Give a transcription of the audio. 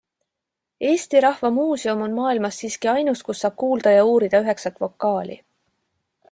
Eesti Rahva Muuseum on maailmas siiski ainus, kus saab kuulda ja uurida üheksat vokaali.